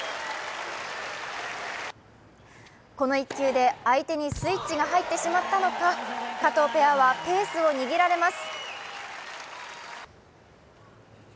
この１球で相手にスイッチが入ってしまったのか、加藤ペアはペースを握られます。